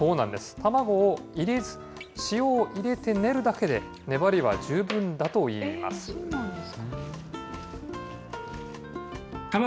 卵を入れず、塩を入れて練るだけで、粘りは十分だといいます。